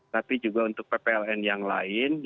tapi juga untuk ppln yang lain